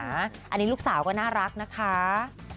อันนี้ลูกสาวก็น่ารักนะคะ